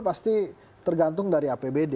pasti tergantung dari apbd